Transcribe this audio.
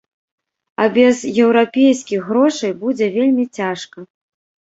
А без еўрапейскіх грошай будзе вельмі цяжка.